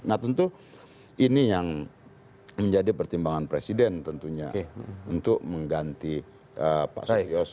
nah tentu ini yang menjadi pertimbangan presiden tentunya untuk mengganti pak suryos